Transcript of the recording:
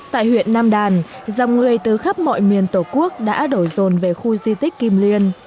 tại huyện nam đàn dòng người từ khắp mọi miền tổ quốc đã đổ rồn về khu di tích kim liên